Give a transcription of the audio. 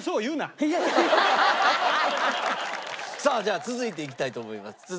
さあじゃあ続いていきたいと思います。